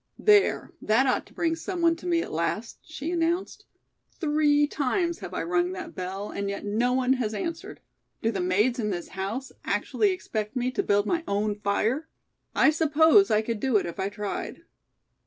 "There, that ought to bring some one to me at last," she announced. "Three times have I rung that bell and yet no one has answered. Do the maids in this house actually expect me to build my own fire? I suppose I could do it if I tried."